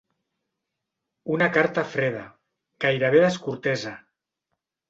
Una carta freda, gairebé descortesa.